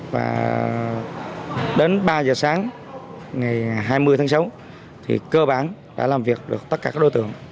và đến ba giờ sáng ngày hai mươi tháng sáu thì cơ bản đã làm việc được tất cả các đối tượng